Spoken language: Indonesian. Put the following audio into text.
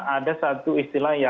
ada satu istilahnya